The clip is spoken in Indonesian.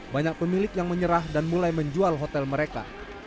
banyak pemilik yang menyerah dan mulai menjual hotel mereka